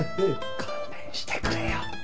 勘弁してくれよ！